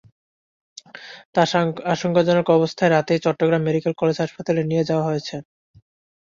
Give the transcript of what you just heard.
তাঁকে আশঙ্কাজনক অবস্থায় রাতেই চট্টগ্রাম মেডিকেল কলেজ হাসপাতালে নিয়ে যাওয়া হয়েছে।